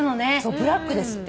ブラックですって。